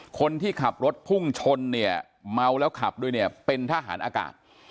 คนที่ขับรถพุ่งชนเนี่ยเมาแล้วขับด้วยเนี่ยเป็นทหารอากาศ